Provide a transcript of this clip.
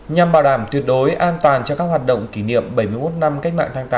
nhằm bảo đảm tuyệt đối an toàn cho các hoạt động kỷ niệm bảy mươi một năm cách mạng tháng tám